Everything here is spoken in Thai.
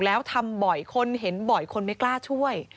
แล้วทำบ่อยคนเห็นบ่อยคนไม่กล้าช่วย